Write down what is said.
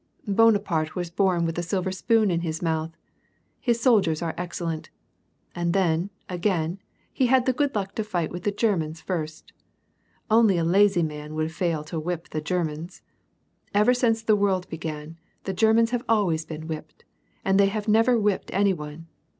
" Bonaparte was bom with a silver spoon in his mouth.* His soldiers are excellent. And then, again, he had the good luck to fight with the Germans first. Only a lazy man would fail to whip the Germans. Ever since the world began, the Ger mans nave always been whipped. And they have never whipped any one.